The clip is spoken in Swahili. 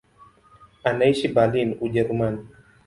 Anaishi Berlin, Ujerumani.